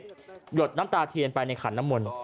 หยดน้ำตาเทียนไปในขันน้ำมนต์